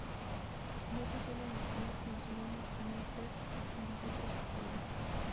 No se suelen mezclar con los humanos, a no ser en encuentros casuales.